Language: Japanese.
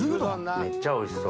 めっちゃおいしそう。